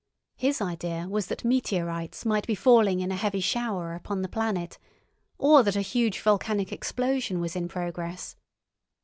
His idea was that meteorites might be falling in a heavy shower upon the planet, or that a huge volcanic explosion was in progress.